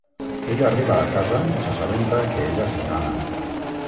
Ell arriba a casa i s'assabenta que ella se n'ha anat.